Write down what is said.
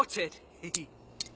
ヘヘッ。